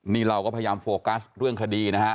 นี่เราก็พยายามโฟกัสเรื่องคดีนะฮะ